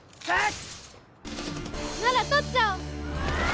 なら取っちゃおう！